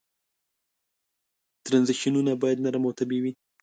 ترنزیشنونه باید نرم او طبیعي وي.